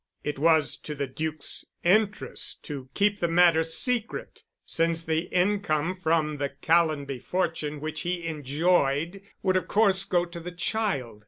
It was to the Duc's interest to keep the matter secret, since the income from the Callonby fortune which he enjoyed would of course go to the child.